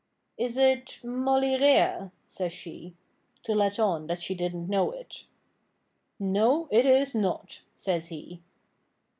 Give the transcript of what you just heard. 'Is it Mollyrea?' says she to let on that she didn't know it. 'No, it is not,' says he.